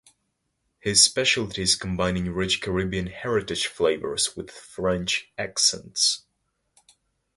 His specialty is combining rich Caribbean heritage flavors with French Accents.